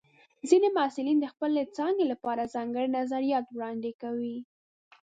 ځینې محصلین د خپلې څانګې لپاره ځانګړي نظریات وړاندې کوي.